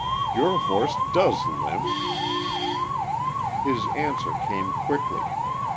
"Your horse does limp!" His answer came quickly.